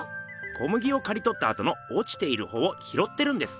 小麦をかりとったあとの落ちている穂を拾ってるんです。